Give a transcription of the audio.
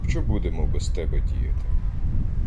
Що будемо без тебе діяти?